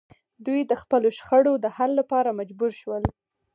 دوی د خپلو شخړو د حل لپاره مجبور شول